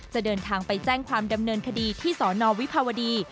เดินทางไปแจ้งความดำเนินคดีที่สนวิภาวดี